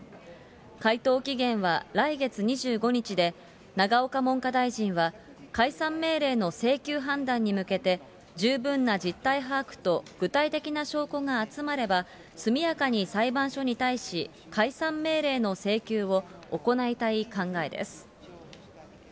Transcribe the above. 回答期限は来月２５日で、永岡文科大臣は、解散命令の請求判断に向けて、十分な実態把握と具体的な証拠が集まれば、速やかに裁判所に対し、解散命令の請求を行いたい考えです。